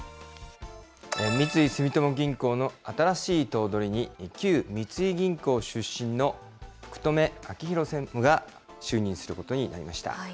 三井住友銀行の新しい頭取に、旧三井銀行出身の福留朗裕専務が就任することになりました。